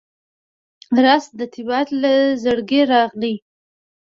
رس د طبیعت له زړګي راغلی